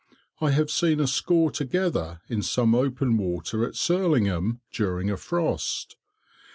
I have seen a score together in some open water, at Surlingham, during a frost.